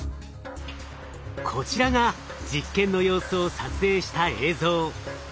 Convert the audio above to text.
こちらが実験の様子を撮影した映像。